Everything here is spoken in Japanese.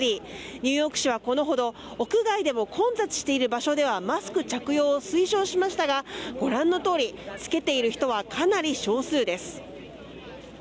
ニューヨーク市は屋外でも混雑している場所ではマスク着用を推奨しましたがご覧のとおり着けている人はかなり少数です。